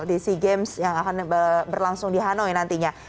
di sea games yang akan berlangsung di hanoi nantinya